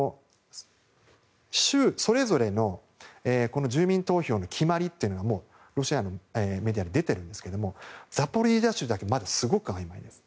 州それぞれの住民投票の決まりというのがもうロシアメディアに出てるんですけどもザポリージャ州だけすごくあいまいなんです。